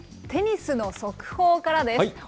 テニスの速報からです。